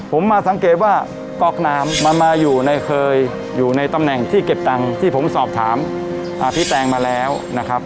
ผมมาสังเกตว่าก๊อกน้ำมันมาอยู่ในเคยอยู่ในตำแหน่งที่เก็บตังค์ที่ผมสอบถามพี่แตงมาแล้วนะครับ